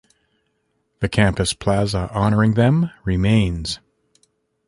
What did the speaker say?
The campus plaza honoring them remains.